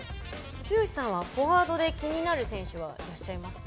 剛さんはフォワードで気になる選手はいらっしゃいますか？